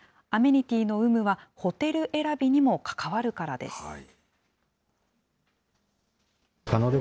アメニティーの有無はホテル選びにも関わるからです。